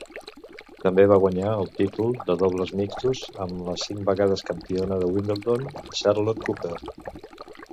També va guanyar el títol de dobles mixtos amb la cinc vegades campiona de Wimbledon Charlotte Cooper.